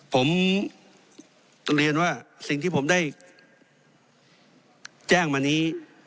ผมเรียนว่าสิ่งที่ผมได้แจ้งมานี้